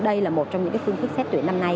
đây là một trong những phương thức xét tuyển năm nay